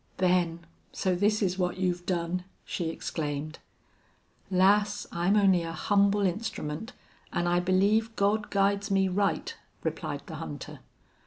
"Ben, so this is what you've done!" she exclaimed. "Lass, I'm only a humble instrument, an' I believe God guides me right," replied the hunter.